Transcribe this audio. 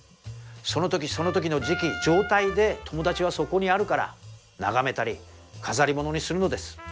その時その時の時季状態で友達はそこにあるから眺めたり飾り物にするのです。